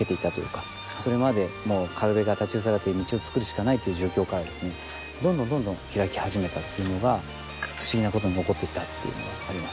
それまでもう壁が立ちふさがって道を作るしかないという状況からですねどんどんどんどん開き始めたっていうのが不思議なことに起こっていったというのがあります。